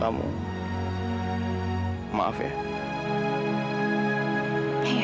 semoga ia harus ya